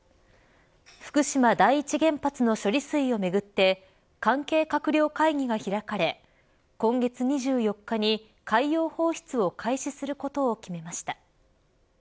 福島第一原発の処理水をめぐって関係閣僚会議が開かれ今月２４日に海洋放出を開始することを決めました。